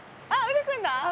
腕組んだ！